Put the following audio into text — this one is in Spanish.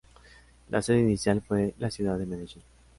La sede inicial fue la ciudad de Medellín.